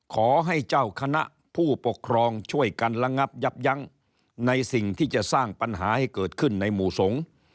ขอให้เจ้าคณะผู้ปกครองช่วยกันระงับยับยั้งในสิ่งที่จะสร้างปัญหาให้เกิดขึ้นในหมู่สงฆ์